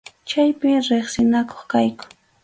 Chaypim riqsinakuq kayku.